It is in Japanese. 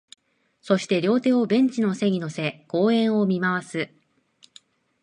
そして、両手をベンチの背に乗せ、公園を見回す